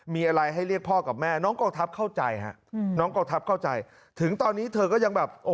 มีอะไรให้เรียกพ่อกับแม่น้องกองทัพเข้าใจฮะน้องกองทัพเข้าใจถึงตอนนี้เธอก็ยังแบบ